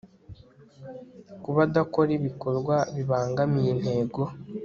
kuba adakora ibikorwa bibangamiye intego